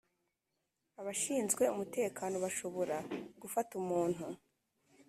Abashinzwe umutekano bashobora gufata umuntu